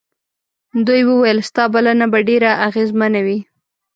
دوی وویل ستا بلنه به ډېره اغېزمنه وي.